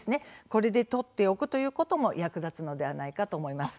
これで撮っておくということも役立つのではないかと思います。